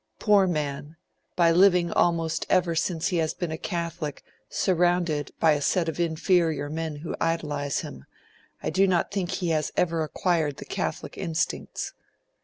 'Poor man, by living almost ever since he has been a Catholic, surrounded by a set of inferior men who idolise him, I do not think he has ever acquired the Catholic instincts.'